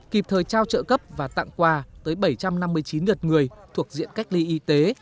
kịp thời trao trợ cấp và tặng quà tới bảy trăm năm mươi chín đợt người thuộc diện cách ly y tế